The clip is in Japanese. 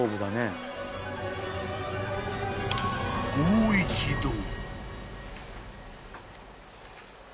［もう一度］